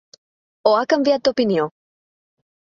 O ha canviat d’opinió?.